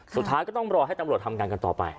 สุดท้ายก็ต้องรอให้ตำรวจทำงานกันต่อไป